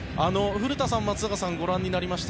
古田さん、松坂さんご覧になりました